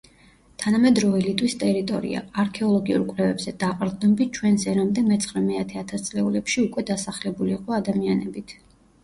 თანამედროვე ლიტვის ტერიტორია, არქეოლოგიურ კვლევებზე დაყრდნობით, ჩვენს ერამდე მეცხრე-მეათე ათასწლეულებში უკვე დასახლებული იყო ადამიანებით.